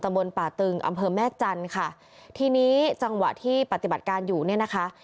บนป่าตึงอำเภอแม่จันทร์ค่ะทีนี้จังหวะที่ปฏิบัติการอยู่เนี่ยนะคะ